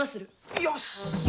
よし！